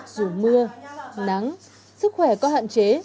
dù mưa nắng sức khỏe có hạn chế